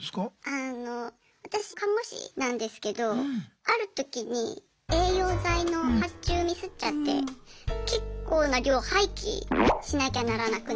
あの私看護師なんですけどある時に栄養剤の発注ミスっちゃって結構な量廃棄しなきゃならなくなって。